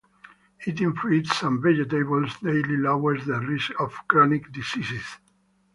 Eating fruits and vegetables daily lowers the risk of chronic diseases.